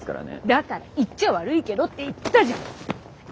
だから「言っちゃ悪いけど」って言ったじゃん。